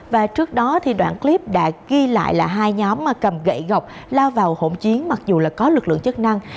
và trước đó đoạn clip đã ghi lại là hai nhóm cầm gậy gọc lao vào hỗn chiến mặc dù có lực lượng chất năng